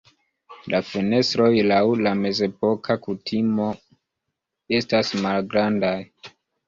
La fenestroj laŭ la mezepoka kutimo estas malgrandaj.